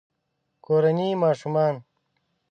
کورني ماشومان